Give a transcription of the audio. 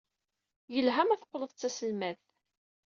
Yelha ma teqqled d taselmadt.